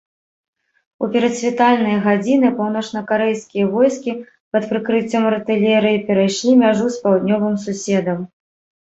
У перадсвітальныя гадзіны паўночнакарэйскія войскі пад прыкрыццём артылерыі перайшлі мяжу з паўднёвым суседам.